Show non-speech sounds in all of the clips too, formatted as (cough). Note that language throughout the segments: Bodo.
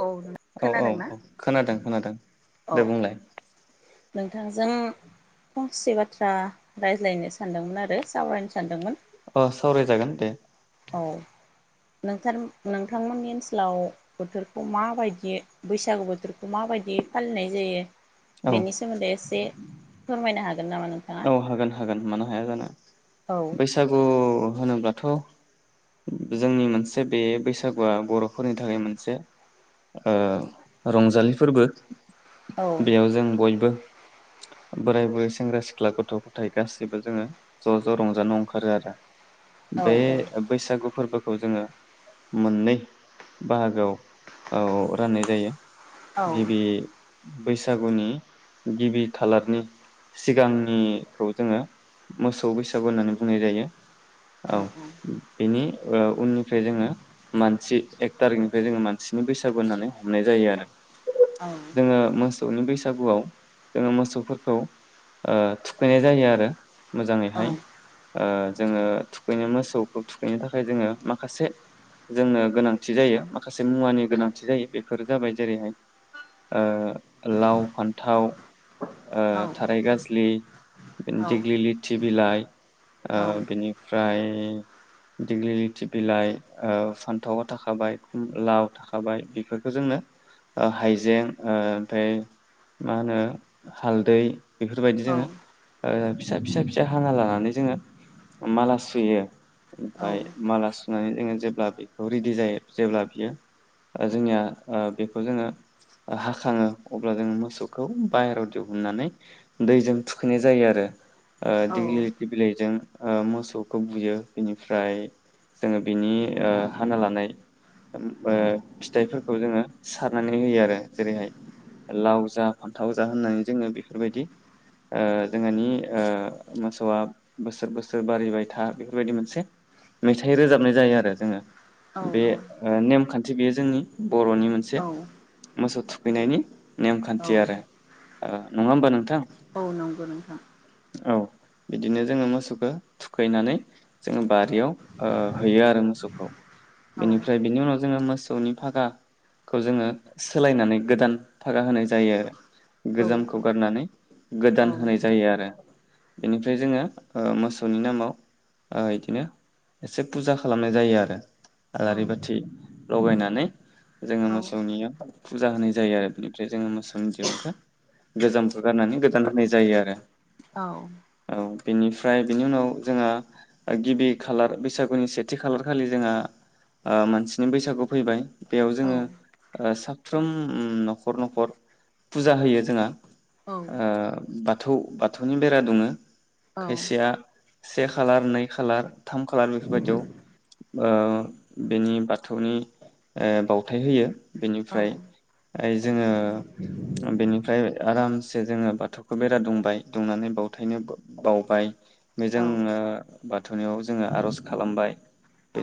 औ औ औ खोनादोंना औ खोनादों खोनादों औ दे बुंलाय नोंथांजों फं से बाथ्रा रायज्लायनो सानदोंमोन आरो सावरायनो सानदोंमोन अ सावरायजागोन दे औ नोंथा नोंथांमोननि ओनसोलाव बोथोरखौ माबायदि बैसागु बोथोरखौ माबायदि फालिनाय जायो औ बेनि सोमोन्दै एसे फोरमायनो हागोन नामा नों औ हागोन हा हागोन मानो हाया जानो औ बैसागु होनोब्लाथ' जोंनि मोनसे बे बैसागुआ बर'फोरनि थाखाय मोनसे ओ रंजालि फोरबो औ बेयाव जों बयबो बोराय बुरै सेंग्रा सिख ख्ला गथ' गथाय गासैबो जोङो ज' ज' रंजानो ओंखारो आरो औ बे बैसागु बे फोरबोखौ जोङो मोननै बाहागोआव औ राननाय जायो। औ गिबि बैसागुनि गिबि खालारनि सिगां निखौ जोङो मोसौ बैसागु होननानै बुंनाय जायो औ बेनि उननिफ्राय जोङो मानसि एक थारिखनिफ्राय जोङो मानसिनि बैसागु होननानै हमनाय जायो आरो। औ। जोङो मोसौनि बैसागुआव जोङो मोसौफोरखौ ओ थुखैनाय जायो आरो। औ मोजाङैहाय ओ जोङो थुखैनो मोसौखौ थुखैनो थाखाय जोङो माखासे जोंनो गोनांथि जायो माखासे मुवानि गोनांथि जायो बेफोरो जाबाय जेरैहाय ओ लाव फान्थाव ओ थाराय गाज्लि दिेग्लि दिग्लिलिथि बिलाइ ओ बिनिफ्राय (unintelligible) दिग्लिलिथि बिलाइ ओ फान्थावा थाखाबाय लाव थाखाबाय बेफोरखौ जोंनो ओ हाइजें ओ ओमफाय मा होनो हालदै बि बेफोरबायदि जोङो ओ फिथ फिसा-फिसा-फिसा हाना लानानै जोङो माला सुयो। ओमफाय मालासुनानै जोङो जेब्ला बेखौ रेडि जायो जेब्ला बियो ओ जोंनिया ओ बेखौ जोङो हाखाङो अब्ला जोङो मोसौखौ बायहेराव दिहुननानै दैजों थुखैनाय जायो आरो। ओ दिग्लिलिथि बिलाइजों ओ मोसौखौ बुयो बिनिफ्राय जोङो बिनि ओ हाना लानाय ओ फिथाइफोरखौ जोङो सारनानै होयो आरो जेरैहाय लाव जा फान्थाव जा होननानै जोङो बेफोरबायदि ओ जोंहानि ओ मोसौआ बोसोर बोसोर बारिबाय था। बेफोरबायदि मोनसे मेथाइ रोजाबनाय जायो आरो जोङो। बे ओ नेमखान्थि थि बेयो जोंनि बरनि मोनसे औ मोसौ थुख खैनायनि औ नेमखान्थि आरो ओ नङा होमबा नोंथां? औ नंगौ नोंथां। औ बिदिनो जोङो मोसौखौ थुखैनानै जोङो बारियाव ओ हैयो आरो मोसौखौ। औ बेनिफ्राय बेनि उनाव जो जोङो मोसौनि फागाखौ जोङो सोलायनानै गोदान फागा होनाय जायो। औ औ गोजामखौ गारनानै गोदान औ होनाय नोंथां जायो आरो बेनिफ्राय जोङो ओ मोसौनि नामाव ओ इदिनो एसे फुजा खालामनाय जायो आरो आलारि औ बाथि लगायनानै जोङो औ मोसौनियाव फुजा होनाय जायो आरो बेनिफ्राय जोङो मोसौनि दिरुंखौ गोजाम गारनानै गोदान होनाय जायो आरो औ औ बेनिफ्राय बेनि उनाव जोंहा गिबि खालार बैसागुनि सेथि खालार खालि जोंहा ओ मानसिनि बैसागु फैबाय। बेयाव औ जोङो आ सा साफ्रोम न'खर न'खर फुजा होयो जोंहा ओ बाथौ बाथौनि बेरा दुमो। औ खायसेया से खालार नै खालार थाम खालार बेफोरबायदियाव ओ बेनि बाथौनि ओ बावथाय होयो। औ बेनिफ्राय जोङो बेनिफ्राय आराम से जोङो बाथौखौ बेरा दुंबाय दुंनानै बावथायनो बावबाय (unintelligible) जोंङो बाथौनियाव जोङो आर'ज खालामबाय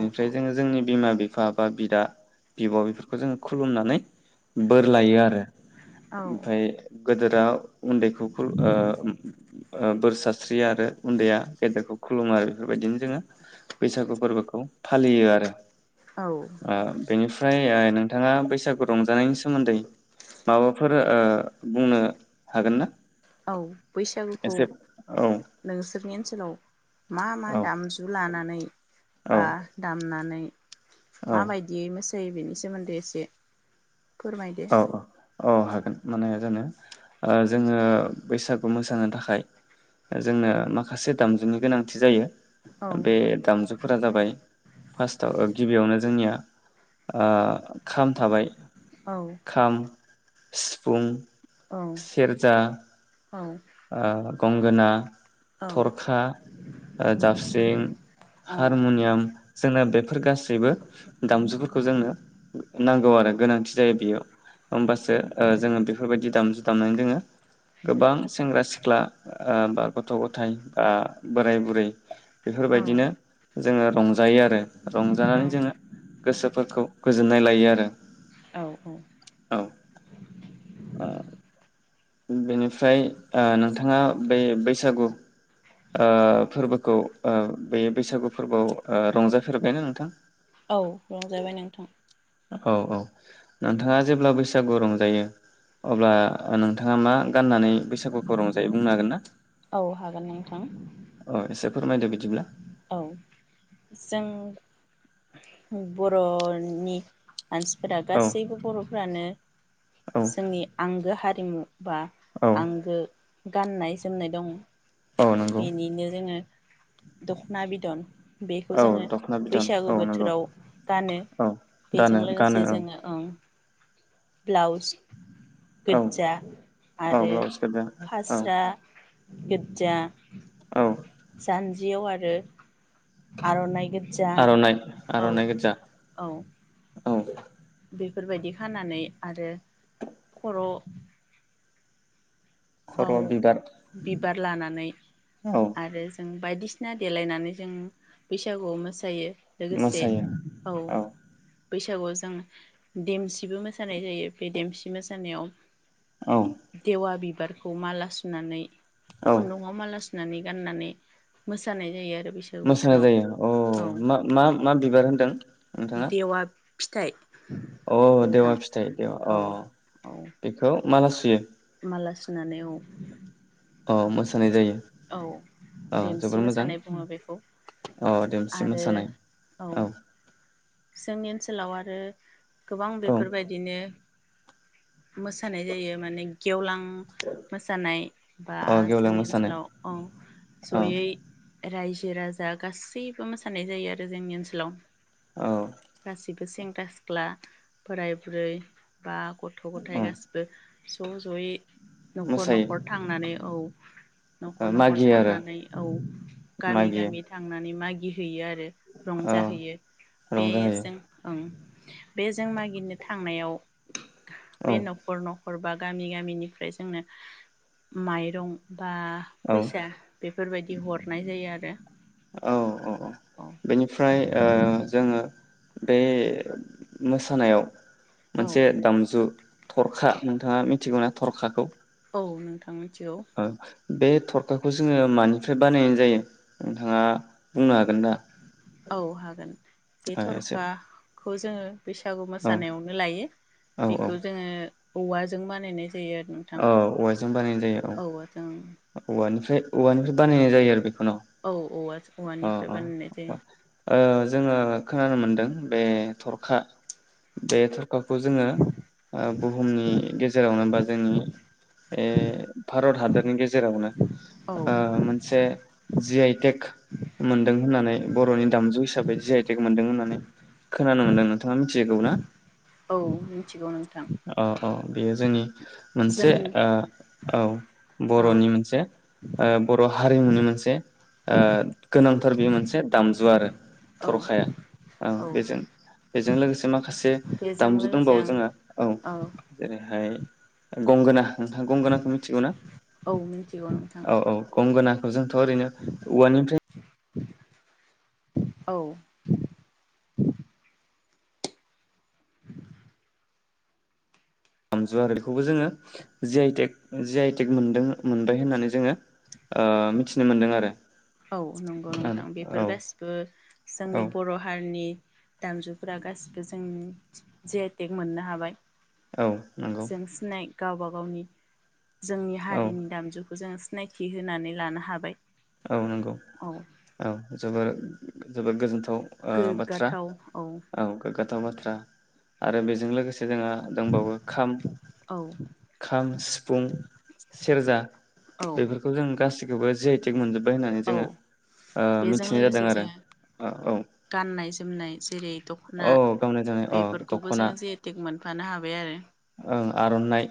औ जोङो जोंनि बिमा बि बिफा बा बिदा बिब' बेफोरखौ जोङो खुलुमनानै बोर लायो आरो औ ओमफ्राय गोदोर (unintelligible) उन्दैखौ खुल ओ ओ बोर सास्रि आरो उन्दैया गेदेरखौ खुलुमो आरो बेफोरबायदिनो जोङो बैसागु फोरबोखौ फालियो आरो आ बेनि फ्राय आ नोंथाङा बैसागु रंजानायनि सोमोन्दै माबाफोर ओ बुंनो हागोन ना? बैसागुखौ एसे औ नोंसोरनि ओनसोलाव मा मा औ दामजु लानानै औ बा दाम ना। नै। औ माबायदियै मो। जायो बेनि सोमोन्दै एसे। फोरमायदो। औ औ हागोन माने जानो जोङो बैसागु मोसानो थाखाय जोंनो माखासे दामजुनि गोनांथि जायो। औ बे दामजु फोर जाबाय फार्स्टआव गिबियावनो जोंनिया खाम थाबाय औ खाम सिफुं। औ सेरजा औ। ओ गंगोना औ थरखा। ओ दाबस्रिं औ हारमुनियाम जोंनो बेफोर गासैबो दामजुफोरखौ जोंनो नांगौ आरो गोनांथि जायो बेयाव होमबासो जोङो बेफोरबायदि दामजु दामनानै जोङो गोबां सेंग्रा सिख्ला ओ बा गथ' गथाय बा बोराय बुरै औ बेफोरबायदिनो जोङो रंजायो आरो रंजानानै जोङो गोसोफोरखौ गोजोननाय लायो आरो औ औ औ। ओ। बेनिफ्राय ओ नोंथाङा बे बैसागु ओ फोरबोखौ ओ बे बैसागु फोरबोआव रंजाफेरबायना नोंथां? औ रंजाबाय नोंथां। औ औ नोंथाङा जेब्ला बैसागु रंजायो अब्ला नों थाङा मा गाननानै बैसागुखौ रंजायो बुंनो हागोन ना? औ हागोन नोंथां अ एसे फोरमायदो बिदिब्ला। औ जों बर'नि मानसिफोरा औ गासैबो बर'फ्रानो औ जोंनि आंगो हार जोङो बा औ आंगो गाननाय जोमनाय दं। औ नंगौ बेनिनो जोङो दखना बिदन बेखौ औ जोङो दख'ना बिदन बैसागु औ नंगौ बोथोराव गानो औ दानो बेजों गानो लोगोसे औ जोङो ओं। ब्लाउस औ गोजजा औ आरो ब्लाउस गोजा औ फास्रा गोजजा औ। जान्जियाव आरो आर'नाइ गोज्जा आर'नाइ औ आर'नाइ गोजा औ औ बेफोरबायदि खानानै आरो खर' आव खर'आव बिबार बिबार लानानै औ आरो जों बायदिसिना देलायनानै जों बैसागुआव मोसायो। लोगोसे मोसायो औ बैसागुआव जों देमसिबो मोसानाय जायो बे देमसि मोसानायाव औ देवा बि खौ माला सुनानै औ खुनदुंआव माला सु नानै गाननानै मोसानाय जायो आरो बैसागु मोसानाय बोथोराव जायो अ औ मा-मा मा बिबार होनदों? देवा। फिथाइ। औ देवा नोंथां फिथाइ देवा औ अ औ बेखौ माला सुयो। माला सुनानै औ। अ मोसानाय जायो औ अ देमसि जोबोर मोजां। मोसानाय बुङो बेखौ औ देमसि आरो मोसानाय औ। जोंनि ओनसोलाव आरो। गोबां औ बेफोरबायदिनो मोसानाय जायो माने गेवलां मोसानाय बा औ गेवलां जोंनि मोसानाय ओनसोलाव औ औ जयै रायजो राजा गासैबो मोसानाय जायो आरो जोंनि ओनसोलाव औ गासिबो सेंग्रा सेंग्रा सिख्ला बोराय बुरै बा गथ औ गथायाइ गासिबो ज-जयै। नखर मोसायो नखर थांनानै। औ। नखर नखर मागियो आरो थांनानै औ गामि मागियो गामि थांनानै मागियो। हैयो आरो औ रंजाहैयो रंजाहोयो बेजों ओं बे जों मागिनो थांनायाव औ बे नखरनाव। हरबा गामि गामिनिफ्राय जोंनो माइरं बा औ फैसा बेफोरबायदि हरनाय जायो आरो औ औ। औ बेनिफ्राय ओ जोङो बे मोसानायाव मोनसे औ दामजु थरखा नोंथाङा मिथिगौना थरखाखौ? औ नोंथां मिथिगौ। ओ बे थरखाखौ जोङो मानिफ्राय बानायनाय जायो नोंथाङा बुंनो हागोन ना। औ हागोन। बे ओ एसे थरखा। खौ जोङो बैसागु औ मोसानायावनो लायो औ बेखौ जोङो औवाजों बानायनाय जायो आरो नोंथां औ औवाजों बानायनाय जायो औ। औवाजों औवानिफ्राय औवानिफ्राय बानायनाय जायो आरो बे औ औवा औवानिफ्राय बानायनाय जायो। ओ जोङो खोनानो मोन्दों बे थरखा बे थरखाखौ जोङो ओ बुहुमनि गेजेरावनो बा जों बे भारत हादरनि गेजेरावनो औ ओ मोनसे जि आइटेक मोनदों होननानै बर'नि दामजु हिसाबै जि आइटेक मोनदों होननानै खोनानो मोनदोंमोन नोंथाङा मिथिगौल्बा औ मिथिगौ नोंथां अ अ बेयो जोंनि मोनसे जों ओ औ औ बर'नि मोनसे ओ बर' हारिमुनि मोनसे ओ गोनांथार बे मोनसे दामजु आरो औ थरखाया। औ बेजों बेजों लोगोसे माखासे बेजों दामजु लोगोसे दंबावो आं जोङा औ जेरैहाय गंगोना नोंथाङा गंगोनाखौ मिथिगौ ना? औ मिथिगौ नोंथां औ औ गंगोना जोंथ' ओरैनो औवानिफ्राय औ। दामजु आरो बेखौबो जोङो जि आइटेक जि आइटेक मोनदों मोनबाय होननानै जोङो ओ मिथिनो मोनदों आरो। औ नंगौ नोंथां औ बेफोर गासिबो औ जोंनि बर' हारिनि दामजुफोरा गासिबो जों जे आइटेक मोननो हाबाय। औ नंगौ। जों सिनाय गावबा गावनि जोंनि औ हारिनि दामजुखौ जों सिनायथि होनानै लानो हाबाय। औ नंगौ औ औ जोबोर जोबोर गोजोन थाव ओ बाथ्रा औ गोग्गा थाव बाथ्रा आरो बेजों लोगोसे जोंहा दंबावो औ खाम, सिफुं, सेरजा औ बेफोरखौ जों गासै खौबो जि आइ टेक मोन्दों औ बेजों जादों लोगोसे आरो जोङो औ औ गाननाय जोमनाय जेरै औ दख'ना गावनाय जोमनाय अ बेफोरखौबो दख'ना जोङो जि आइ टेक मोनफानो हाबाय आरो ओं आर'नाइ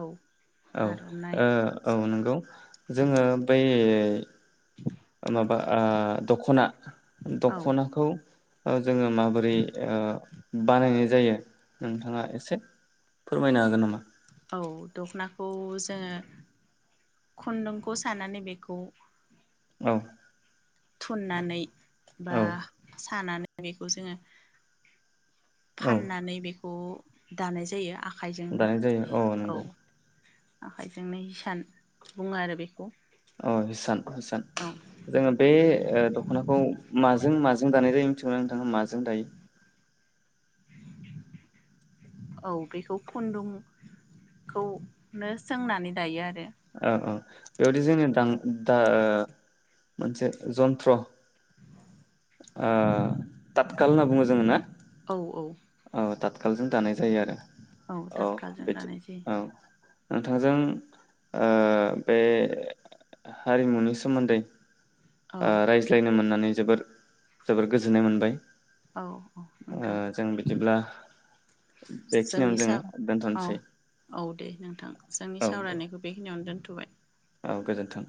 औ औ आर'नाइ ओ औ नंगौ जोङो बै ओ। माबा ओ दखना। औ दखनाखौ ओ जोङो माबोरै ओ बानायनाय जायो नोंथाङा एसे फोरमायनो हागोन नामा? औ दख'नाखौ जोङो खुन्दुंखौ सानानै बेखौ औ। थुननानै औ बा सानानै बेखौ जोङो औ फाननानै बे खौ दानाय जायो आ दानाय जायो औ नंगौ। आखाइजोंनो हिसान बुङो आरो बेखौ। अ हिसान। हिसान औ जोङो बे ओ दखनाखौ माजों माजों दानाय जायो? थिगौना नोंथाङा माजों दायो? औ बेखौ खुन्दुंखौनो सोंनानै दायो आरो। ओ ओ बेयावदि जोंनि दां दां ओ मोनसे जन्त्र ओ थातखाल होनना बुङो जोङो ना? औ औ। ओ थात खालजों दानाय जायो आरो। औ दाथखाजों बेदि दानाय जायो औ। नोंथांजों ओ बे हारिमुनि सोमोन्दै औ ओ रायज्लायनो मोनना नै जोबोर जोबोर गोजोननाय मोनबाय। औ औ ओ नोंथां जों बिदिब्ला बेखिनियावनो जोंनि सा जोङो औ दोनथ'नोसै औ दे नोंथां जोंनि औ दे सावरायनायखौ बेखिनियावनो दोन थबाय। औ गोजोन्थों।